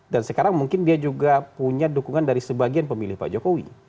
dan sekarang mungkin dia juga punya dukungan dari sebagian pemilih pak jokowi